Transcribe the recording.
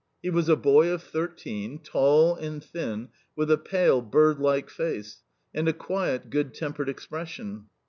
He was a boy of thirteen, tall and thin, with a pale, birdlike face, and a quiet, good tempered expression.